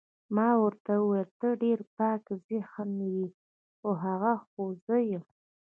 ما ورته وویل ته ډېر پاک ذهنه یې، هو، هغه خو زه یم.